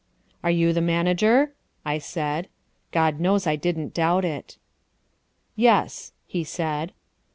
"Are you the manager?" I said. God knows I didn't doubt it. "Yes," he said.